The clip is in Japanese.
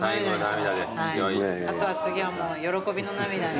あとは次はもう喜びの涙に。